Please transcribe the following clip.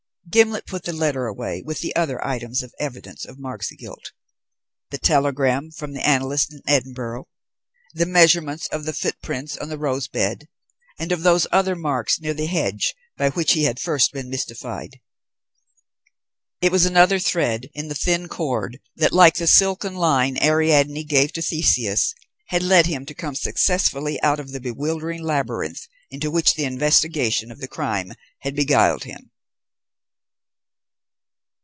Gimblet put the letter away with the other items of evidence of Mark's guilt: the telegram from the analyst in Edinburgh, the measurements of the footprints on the rose bed, and of those other marks near the hedge by which he had at first been mystified. It was another thread in the thin cord that, like the silken line Ariadne gave to Theseus, had led him to come successfully out of the bewildering labyrinth into which the investigation of the crime had beguiled him.